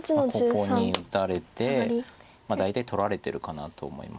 ここに打たれて大体取られてるかなと思います。